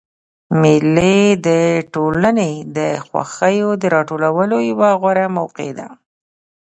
مېلې د ټولني د خوښیو د راټولولو یوه غوره موقع ده.